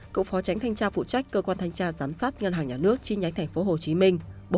cậu phó tránh thanh tra phụ trách cơ quan thanh tra giám sát ngân hàng nhà nước chi nhánh thành phố hồ chí minh